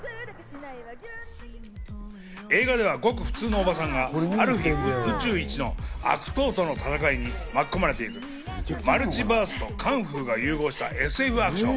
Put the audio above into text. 映画では、ごく普通のおばさんがある日、宇宙一の悪党との戦いに巻き込まれていくマルチバースとカンフーが融合したＳＦアクション。